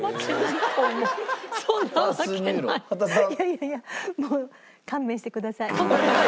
いやいやもう勘弁してください。